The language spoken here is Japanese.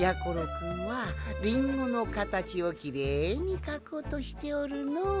くんはリンゴのかたちをきれいにかこうとしておるのう。